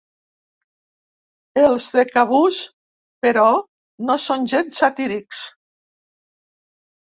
Els de Cabús, però, no són gens satírics.